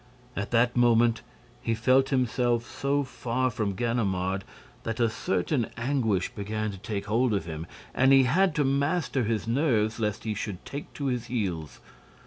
At that moment, he felt himself so far from Ganimard that a certain anguish began to take hold of him and he had to master his nerves lest he should take to his heels.